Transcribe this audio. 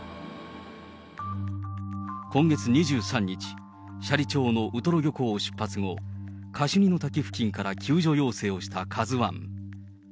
今月２３日、斜里町のウトロ漁港を出発後、カシュニの滝付近から救助要請をしたカズワン。